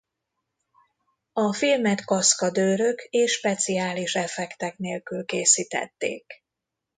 A filmet kaszkadőrök és speciális effektek nélkül készítették.